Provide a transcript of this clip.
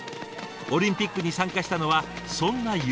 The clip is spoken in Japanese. オリンピックに参加したのはそんな夢のため。